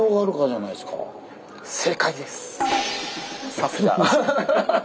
さすが。